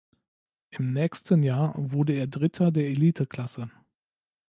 Im nächsten Jahr wurde er Dritter der Eliteklasse.